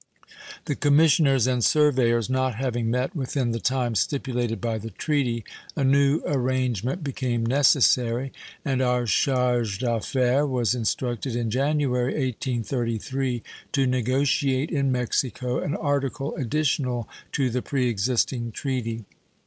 The commissioners and surveyors not having met within the time stipulated by the treaty, a new arrangement became necessary, and our charge d'affaires was instructed in January, 1833 to negotiate in Mexico an article additional to the pre existing treaty.